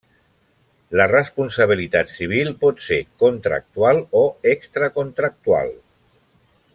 La responsabilitat civil pot ser contractual o extracontractual.